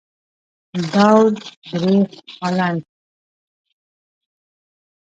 دور درېخت هالنډ.